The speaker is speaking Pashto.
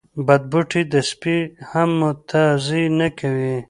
بد بوټي ته سپي هم متازې نه کوی.